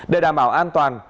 để đảm bảo an toàn